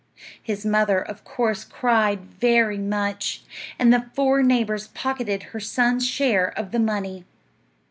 His mother, of course, cried very much, and the four neighbors pocketed her son's share of the money.